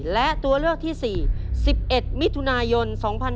และตัวเลือกที่๔๑๑มิถุนายน๒๕๖๒